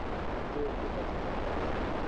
ভেবেছিলাম তুই ওকে পছন্দ করিস।